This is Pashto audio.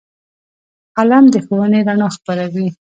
قلم د ښوونې رڼا خپروي